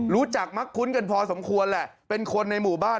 รู้จักมักคุ้นกันพอสมควรแหละเป็นคนในหมู่บ้าน